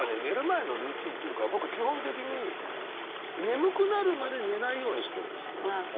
寝る前のルーティンというか僕基本的に眠くなるまで寝ないようにしてるんですよ。